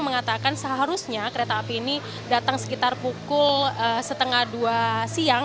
mengatakan seharusnya kereta api ini datang sekitar pukul setengah dua siang